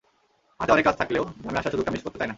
হাতে অনেক কাজ থাকলেও গ্রামে আসার সুযোগটা মিস করতে চাই না।